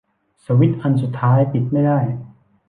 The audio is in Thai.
สวิตซ์อันสุดท้ายปิดไม่ได้